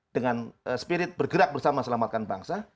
dengan spirit bergerak bersama selamatkan bangsa